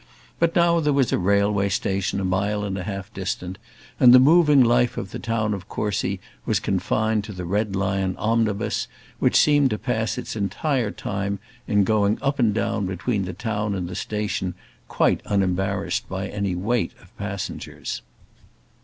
But now there was a railway station a mile and a half distant, and the moving life of the town of Courcy was confined to the Red Lion omnibus, which seemed to pass its entire time in going up and down between the town and the station, quite unembarrassed by any great weight of passengers.